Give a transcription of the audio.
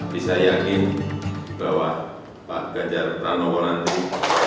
bisa yakin bahwa pak ganjar pranowo nanti